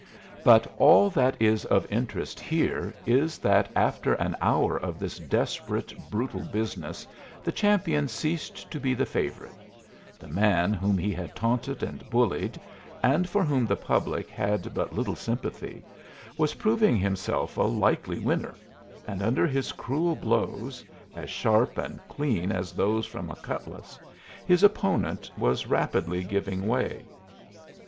But all that is of interest here is that after an hour of this desperate, brutal business the champion ceased to be the favorite; the man whom he had taunted and bullied, and for whom the public had but little sympathy, was proving himself a likely winner, and under his cruel blows, as sharp and clean as those from a cutlass, his opponent was rapidly giving way.